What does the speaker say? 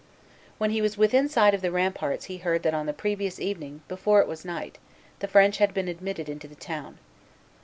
When he was within sight of the ramparts he heard that on the previous evening, before it was night, the French had been admitted into the town.